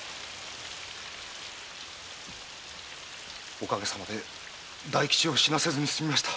おかげさまで大吉を死なせずにすみました。